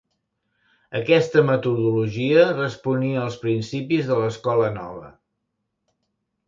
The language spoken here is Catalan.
Aquesta metodologia responia als principis de l'escola nova.